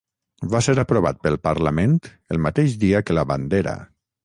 Va ser aprovat pel Parlament el mateix dia que la bandera.